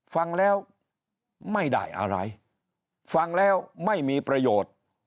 ฟังแล้วไม่ได้อะไรฟังแล้วไม่มีประโยชน์